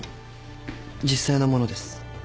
実際のものです。